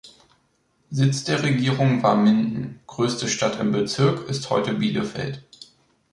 Sitz der Regierung war Minden, größte Stadt im Bezirk ist heute Bielefeld.